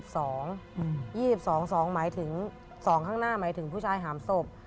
๒๒หมายถึงสองข้างหน้าหมายถึงผู้ชายหามศพ